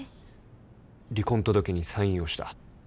離婚届にサインをした。